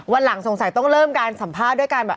วันหลังสงสัยต้องเริ่มการสัมภาษณ์ด้วยการแบบ